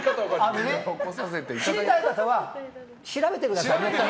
知りたい方は調べてください。